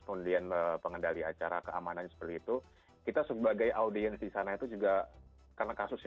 kemudian pengendali acara keamanan seperti itu kita sebagai audiens di sana itu juga karena kasusnya